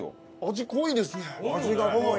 味濃いですね。